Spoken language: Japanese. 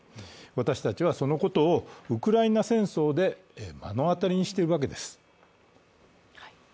私たちはそのことをウクライナ戦争で目の当たりにしているわけです。